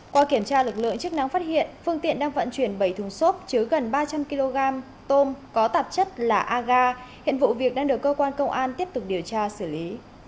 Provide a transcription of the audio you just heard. qua kiểm tra lực lượng chức năng phát hiện phương tiện đang vận chuyển bảy thùng xốp chứa gần ba trăm linh kg tôm có tạp chất là aga hiện vụ việc đang được cơ quan công an tiếp tục điều tra xử lý